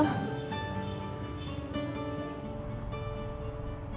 kamu mau pulang